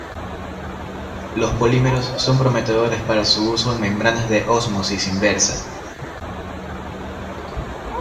Los polímeros son prometedores para su uso en membranas de ósmosis inversa.